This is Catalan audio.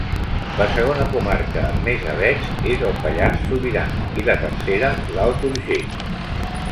La segona comarca amb més avets és el Pallars Sobirà i la tercera, l'Alt Urgell.